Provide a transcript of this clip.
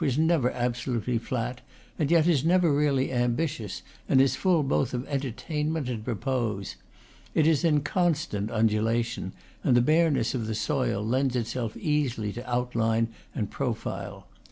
It is never absolutely flat, and yet is never really ambitious, and is full both of entertainment and re pose. It is in constant undulation, and the bareness of the soil lends itself easily to outline and profile.